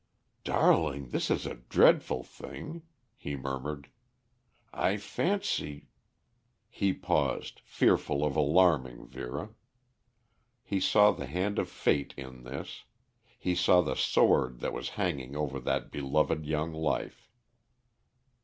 "Darling, this is a dreadful thing," he murmured. "I fancy " He paused, fearful of alarming Vera. He saw the hand of fate in this; he saw the sword that was hanging over that beloved young life.